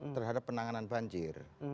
terhadap penanganan banjir